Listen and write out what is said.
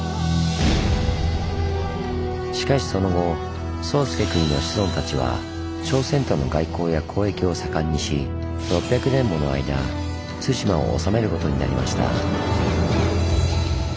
しかしその後宗資国の子孫たちは朝鮮との外交や交易を盛んにし６００年もの間対馬を治めることになりました。